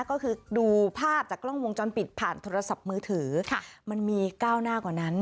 ก็คือดูภาพจากกล้องวงจรปิดผ่านโทรศัพท์มือถือมันมีก้าวหน้ากว่านั้น